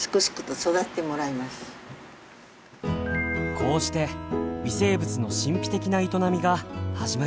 こうして微生物の神秘的な営みが始まります。